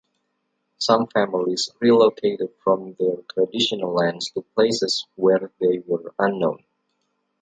Some families relocated from their traditional lands to places where they were unknown.